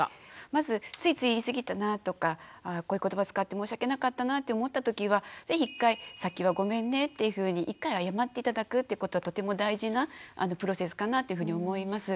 まずついつい言い過ぎたなとかこういう言葉使って申し訳なかったなって思ったときは是非一回さっきはごめんねっていうふうに一回謝って頂くってことはとても大事なプロセスかなってふうに思います。